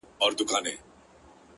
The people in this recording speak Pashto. هغې ويل اور ـ